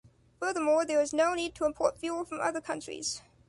Furthermore, there is no need to import fuel from other countries.